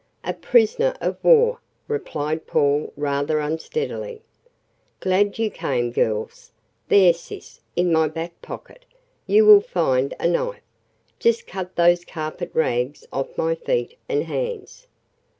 "A prisoner of war," replied Paul rather unsteadily. "Glad you came, girls there, sis, in my back pocket, you will find a knife. Just cut those carpet rags off my feet and hands."